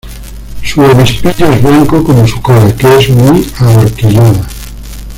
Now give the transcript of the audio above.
Su obispillo es blanco como su cola, que es muy ahorquillada.